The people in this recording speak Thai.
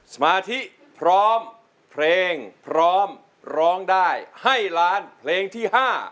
สมาธิพร้อมเพลงพร้อมร้องได้ให้ล้านเพลงที่๕